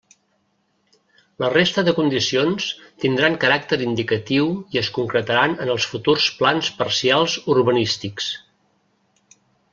La resta de condicions tindran caràcter indicatiu i es concretaran en els futurs plans parcials urbanístics.